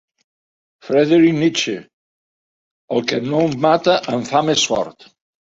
Friedrich Nietzsche: el que no em mata em fa més fort.